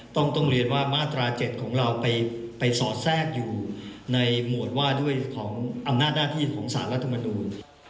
ต้องเรียนว่ามาตรา๗ของเราไปสอดแทรกอยู่ในหมวดว่าด้วยของอำนาจหน้าที่ของสารรัฐมนูล